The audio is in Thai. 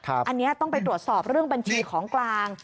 อันนี้ต้องไปตรวจสอบเรื่องบัญชีของกลาง